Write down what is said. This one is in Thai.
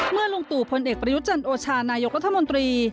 เมื่อลุงตุผลเอกประยุจจันทร์โอชานายกรัฐมนตรี